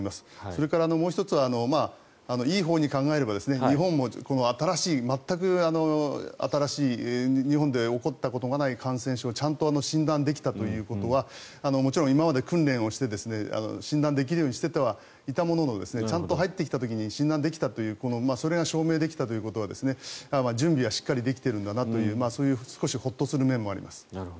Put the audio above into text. それから、もう１つはいいほうに考えれば新しい全く新しい日本で起こったことがない感染症をちゃんと診断できたということはもちろん今まで訓練をして診断できるようにしてはいたもののちゃんと入ってきた時に診断できたというそれが証明できたということは準備はしっかりできているんだなというそういう少しホッとする面もあります。